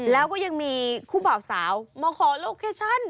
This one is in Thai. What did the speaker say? แล้วก็ยังมีคู่บ่าวสาวมาขอโลเคชั่น